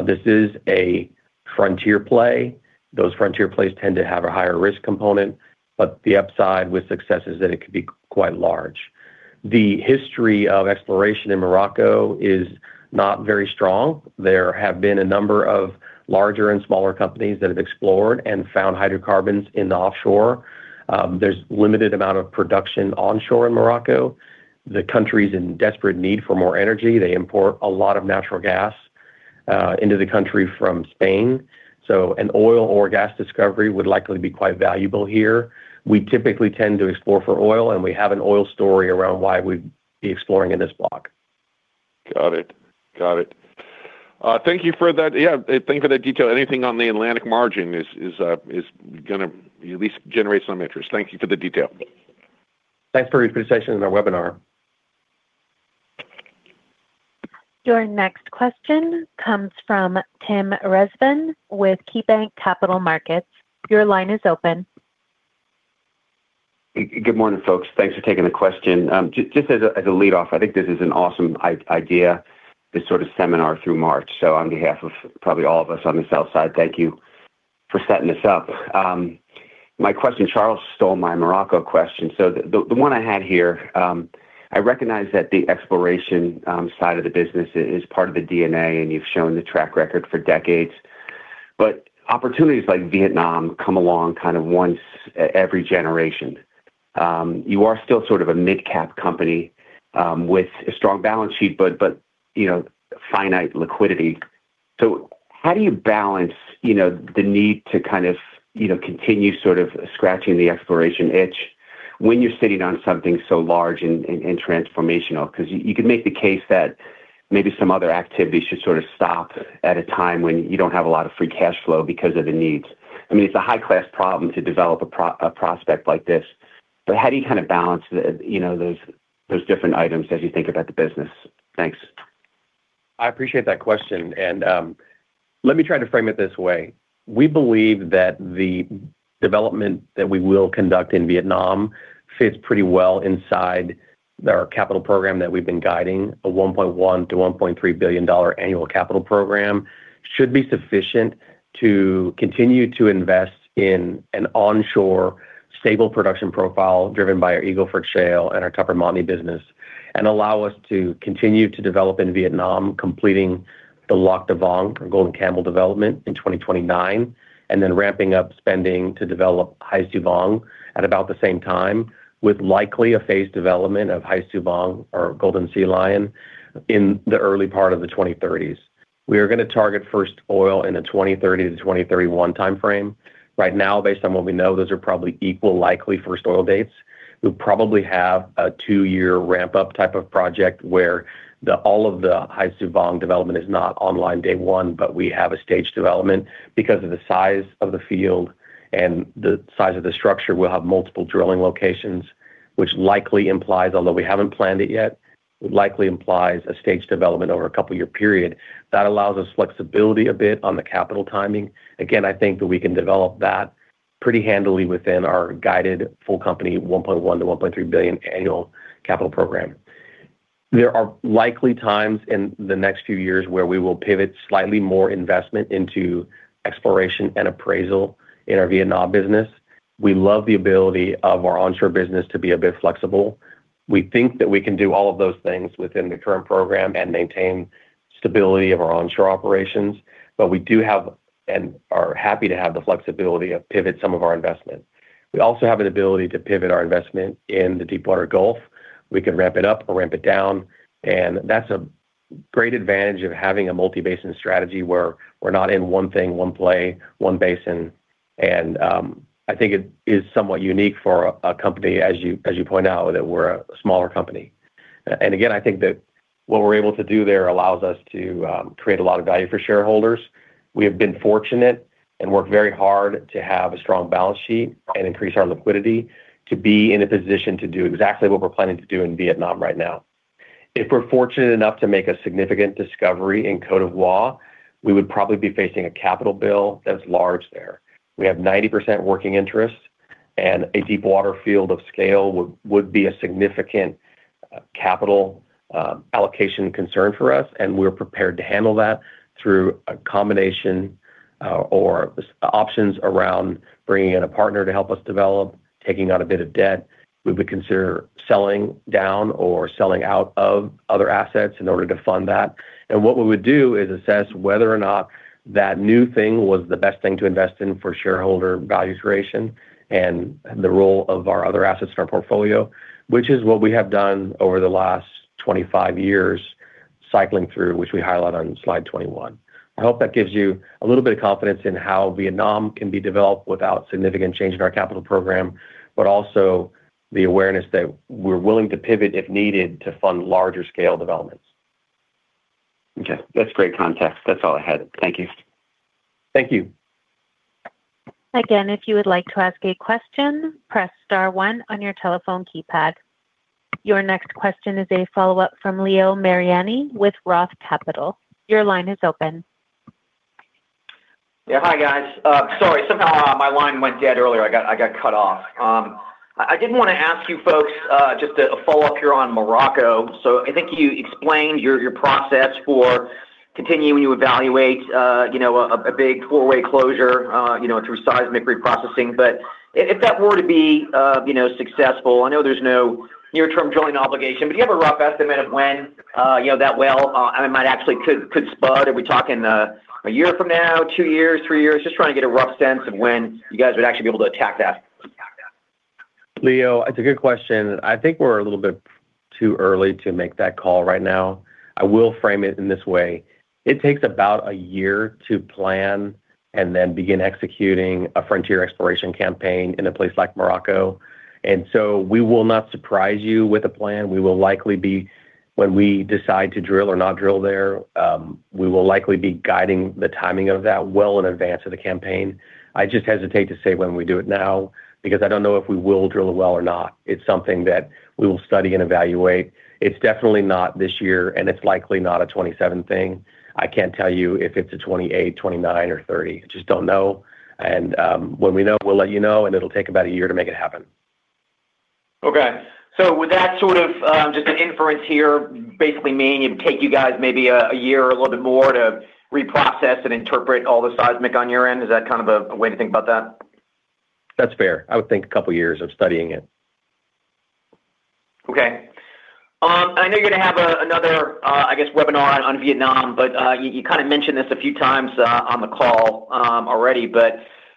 This is a frontier play. Those frontier plays tend to have a higher risk component, but the upside with success is that it could be quite large. The history of exploration in Morocco is not very strong. There have been a number of larger and smaller companies that have explored and found hydrocarbons in the offshore. There's limited amount of production onshore in Morocco. The country's in desperate need for more energy. They import a lot of natural gas into the country from Spain, so an oil or gas discovery would likely be quite valuable here. We typically tend to explore for oil. We have an oil story around why we'd be exploring in this block. Got it. Thank you for that. Thank you for that detail. Anything on the Atlantic margin is gonna at least generate some interest. Thank you for the detail. Thanks for your presentation in our webinar. Your next question comes from Tim Rezvan with KeyBanc Capital Markets. Your line is open. Good morning, folks. Thanks for taking the question. Just as a, as a lead off, I think this is an awesome idea, this sort of seminar through March. My question, Charles stole my Morocco question. The one I had here, I recognize that the exploration side of the business is part of the DNA, and you've shown the track record for decades. Opportunities like Vietnam come along kind of once every generation. You are still sort of a midcap company, with a strong balance sheet, but, you know, finite liquidity. How do you balance, you know, the need to kind of, you know, continue sort of scratching the exploration itch when you're sitting on something so large and transformational? 'Cause you could make the case that maybe some other activities should sort of stop at a time when you don't have a lot of free cash flow because of the needs. I mean, it's a high-class problem to develop a prospect like this. How do you kind of balance the, you know, those different items as you think about the business? Thanks. I appreciate that question. Let me try to frame it this way. We believe that the development that we will conduct in Vietnam fits pretty well inside our capital program that we've been guiding. A $1.1 billion-$1.3 billion annual capital program should be sufficient to continue to invest in an onshore stable production profile driven by our Eagle Ford Shale and our Tupper Montney business and allow us to continue to develop in Vietnam, completing Lạc Đà Vàng or Golden Camel development in 2029, ramping up spending to develop Hải Sư Vàng at about the same time, with likely a phased development of Hải Sư Vàng or Golden Sea Lion in the early part of the 2030s. We are gonna target first oil in the 2030-2031 timeframe. Right now, based on what we know, those are probably equal likely first oil dates. We'll probably have a 2-year ramp-up type of project where all of the Hải Sư Vàng development is not online day 1, but we have a staged development. Because of the size of the field and the size of the structure, we'll have multiple drilling locations, which likely implies, although we haven't planned it yet, it likely implies a staged development over a couple year period. That allows us flexibility a bit on the capital timing. Again, I think that we can develop that pretty handily within our guided full company $1.1 billion-$1.3 billion annual capital program. There are likely times in the next few years where we will pivot slightly more investment into exploration and appraisal in our Vietnam business. We love the ability of our onshore business to be a bit flexible. We think that we can do all of those things within the current program and maintain stability of our onshore operations, but we do have and are happy to have the flexibility to pivot some of our investment. We also have an ability to pivot our investment in the deepwater Gulf. We can ramp it up or ramp it down, and that's a great advantage of having a multi-basin strategy where we're not in one thing, one play, one basin, and I think it is somewhat unique for a company, as you point out, that we're a smaller company. Again, I think that what we're able to do there allows us to create a lot of value for shareholders. We have been fortunate and worked very hard to have a strong balance sheet and increase our liquidity to be in a position to do exactly what we're planning to do in Vietnam right now. If we're fortunate enough to make a significant discovery in Côte d'Ivoire, we would probably be facing a capital bill that's large there. We have 90% working interest, and a deep water field of scale would be a significant capital allocation concern for us, and we're prepared to handle that through a combination or options around bringing in a partner to help us develop, taking on a bit of debt. We would consider selling down or selling out of other assets in order to fund that. What we would do is assess whether or not that new thing was the best thing to invest in for shareholder value creation and the role of our other assets in our portfolio, which is what we have done over the last 25 years cycling through, which we highlight on slide 21. I hope that gives you a little bit of confidence in how Vietnam can be developed without significant change in our capital program, but also the awareness that we're willing to pivot if needed to fund larger scale developments. That's great context. That's all I had. Thank you. Thank you. Again, if you would like to ask a question, press star one on your telephone keypad. Your next question is a follow-up from Leo Mariani with Roth Capital. Your line is open. Hi, guys. Sorry, somehow my line went dead earlier. I got cut off. I did want to ask you folks, just a follow-up here on Morocco. I think you explained your process for continuing to evaluate, you know, a big four-way closure, you know, through seismic reprocessing. If that were to be, you know, successful, I know there's no near-term joint obligation, but do you have a rough estimate of when, you know, that well, might actually could spud? Are we talking a year from now, two years, three years? Just trying to get a rough sense of when you guys would actually be able to attack that. Leo, it's a good question. I think we're a little bit too early to make that call right now. I will frame it in this way. It takes about a year to plan and then begin executing a frontier exploration campaign in a place like Morocco. We will not surprise you with a plan. When we decide to drill or not drill there, we will likely be guiding the timing of that well in advance of the campaign. I just hesitate to say when we do it now because I don't know if we will drill a well or not. It's something that we will study and evaluate. It's definitely not this year, and it's likely not a 2027 thing. I can't tell you if it's a 2028, 2029 or 2030. I just don't know. When we know, we'll let you know, and it'll take about a year to make it happen. Okay. Would that sort of, just an inference here, basically mean it'd take you guys maybe a year or a little bit more to reprocess and interpret all the seismic on your end? Is that kind of a way to think about that? That's fair. I would think a couple of years of studying it. Okay. I know you're going to have another, I guess, webinar on Vietnam, but you kind of mentioned this a few times on the call already.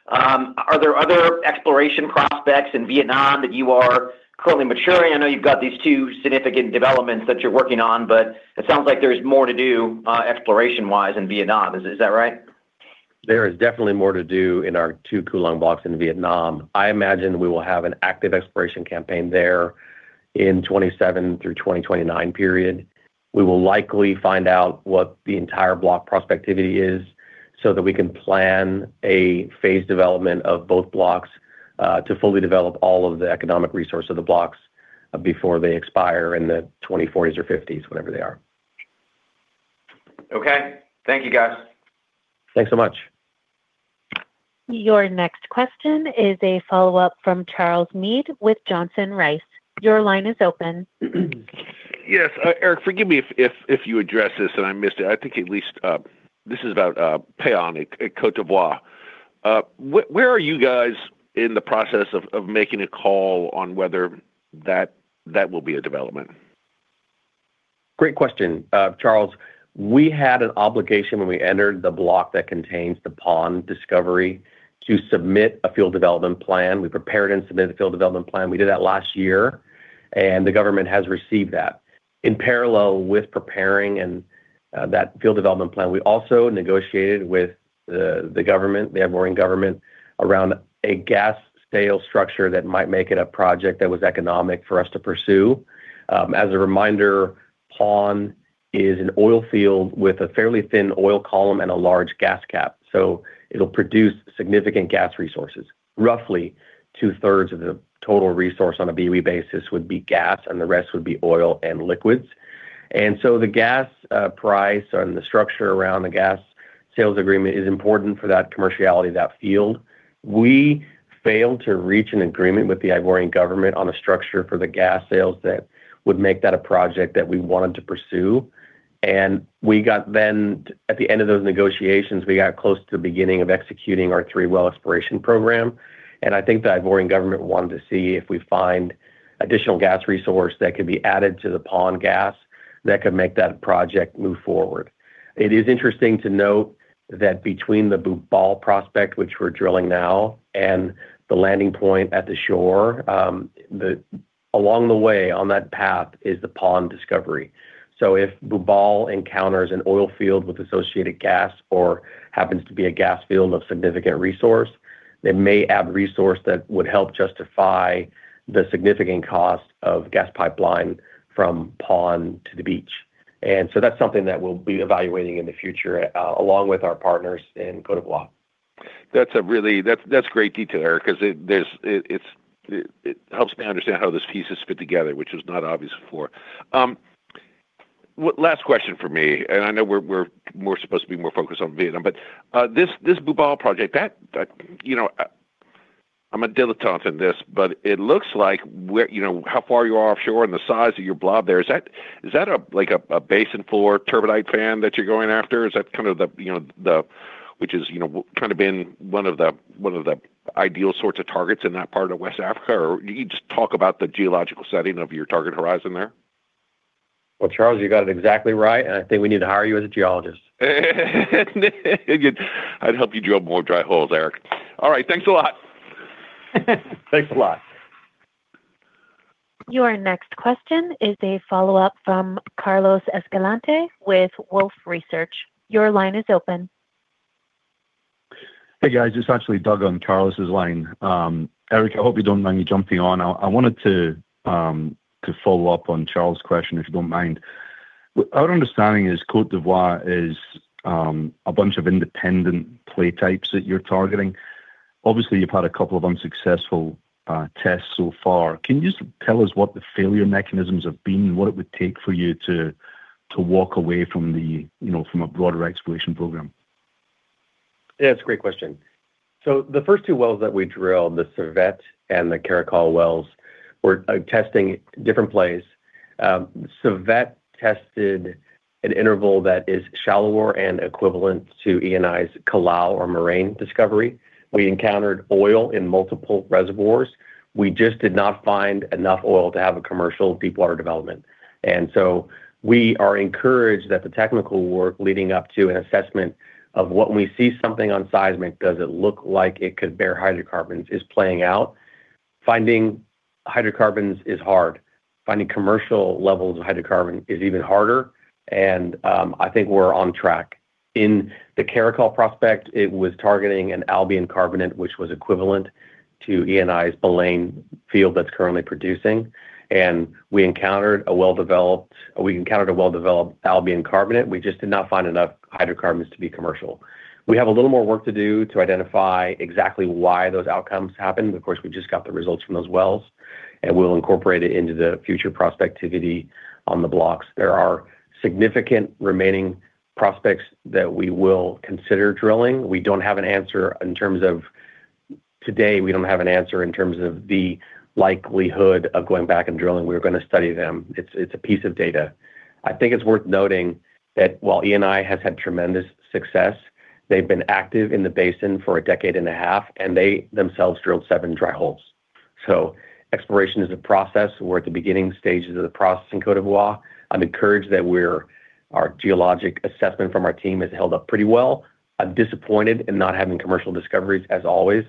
Are there other exploration prospects in Vietnam that you are currently maturing? I know you've got these two significant developments that you're working on, but it sounds like there's more to do, exploration-wise in Vietnam. Is that right? There is definitely more to do in our two Cuu Long blocks in Vietnam. I imagine we will have an active exploration campaign there in 2027 through 2029 period. We will likely find out what the entire block prospectivity is so that we can plan a phase development of both blocks, to fully develop all of the economic resource of the blocks before they expire in the 2040s or 2050s, whenever they are. Okay. Thank you, guys. Thanks so much. Your next question is a follow-up from Charles Meade with Johnson Rice. Your line is open. Yes. Eric, forgive me if you addressed this and I missed it. I think at least, this is about Paon at Côte d'Ivoire. Where are you guys in the process of making a call on whether that will be a development? Great question. Charles, we had an obligation when we entered the block that contains the Paon discovery to submit a field development plan. We prepared and submitted the field development plan. We did that last year. The government has received that. In parallel with preparing that field development plan, we also negotiated with the government, the Ivorian government, around a gas sale structure that might make it a project that was economic for us to pursue. As a reminder, Paon is an oil field with a fairly thin oil column and a large gas cap. It'll produce significant gas resources. Roughly 2/3 of the total resource on a BOE basis would be gas, and the rest would be oil and liquids. The gas price and the structure around the gas sales agreement is important for that commerciality of that field. We failed to reach an agreement with the Ivorian government on a structure for the gas sales that would make that a project that we wanted to pursue. At the end of those negotiations, we got close to the beginning of executing our three well exploration program. I think the Ivorian government wanted to see if we find additional gas resource that could be added to the Paon gas that could make that project move forward. It is interesting to note that between the Bubale prospect, which we're drilling now, and the landing point at the shore, Along the way on that path is the Paon discovery. If Bubale encounters an oil field with associated gas or happens to be a gas field of significant resource, it may add resource that would help justify the significant cost of gas pipeline from Paon to the beach. That's something that we'll be evaluating in the future, along with our partners in Côte d'Ivoire. That's great detail, Eric, 'cause it helps me understand how this pieces fit together, which was not obvious before. One last question for me, and I know we're more supposed to be more focused on Vietnam. This Bubale project, you know, I'm a dilettante in this, but it looks like where, you know, how far you are offshore and the size of your blob there, is that, is that like a basin floor turbidite fan that you're going after? Is that kind of the, you know, Which is, you know, kind of been one of the ideal sorts of targets in that part of West Africa? Can you just talk about the geological setting of your target horizon there? Charles, you got it exactly right, and I think we need to hire you as a geologist. I'd help you drill more dry holes, Eric. All right, thanks a lot. Thanks a lot. Your next question is a follow-up from Carlos Escalante with Wolfe Research. Your line is open. Hey, guys. It's actually Doug on Carlos's line. Eric, I hope you don't mind me jumping on. I wanted to follow up on Charles' question, if you don't mind. Our understanding is Côte d'Ivoire is a bunch of independent play types that you're targeting. Obviously, you've had a couple of unsuccessful tests so far. Can you just tell us what the failure mechanisms have been and what it would take for you to walk away from the, you know, from a broader exploration program? That's a great question. The first two wells that we drilled, the Civette and the Caracal wells, were testing different plays. Civette tested an interval that is shallower and equivalent to Eni's Calao or Baleine discovery. We encountered oil in multiple reservoirs. We just did not find enough oil to have a commercial deepwater development. We are encouraged that the technical work leading up to an assessment of when we see something on seismic, does it look like it could bear hydrocarbons is playing out. Finding hydrocarbons is hard. Finding commercial levels of hydrocarbon is even harder, and I think we're on track. In the Caracal prospect, it was targeting an Albian carbonate, which was equivalent to Eni's Baleine field that's currently producing, and we encountered a well-developed Albian carbonate. We just did not find enough hydrocarbons to be commercial. We have a little more work to do to identify exactly why those outcomes happened. We just got the results from those wells, and we'll incorporate it into the future prospectivity on the blocks. There are significant remaining prospects that we will consider drilling. Today, we don't have an answer in terms of the likelihood of going back and drilling. We're gonna study them. It's a piece of data. I think it's worth noting that while Eni has had tremendous success, they've been active in the basin for a decade and a half, and they themselves drilled 7 dry holes. Exploration is a process. We're at the beginning stages of the process in Côte d'Ivoire. I'm encouraged that we're... Our geologic assessment from our team has held up pretty well. I'm disappointed in not having commercial discoveries as always.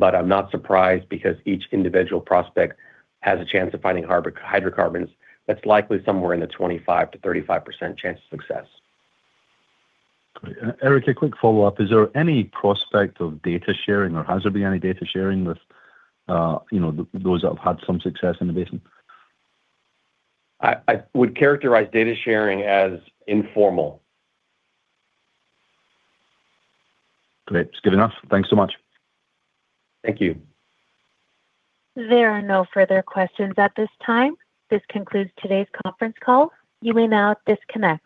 I'm not surprised because each individual prospect has a chance of finding hydrocarbons that's likely somewhere in the 25%-35% chance of success. Great. Eric, a quick follow-up. Is there any prospect of data sharing, or has there been any data sharing with, you know, those that have had some success in the basin? I would characterize data sharing as informal. Great. That's good enough. Thanks so much. Thank you. There are no further questions at this time. This concludes today's conference call. You may now disconnect.